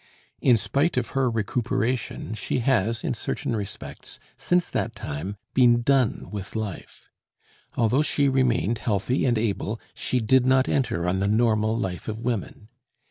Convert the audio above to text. In spite of her recuperation she has, in certain respects, since that time, been done with life; although she remained healthy and able, she did not enter on the normal life of women.